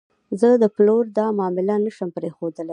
زه د پلور دا معامله نه شم پرېښودلی.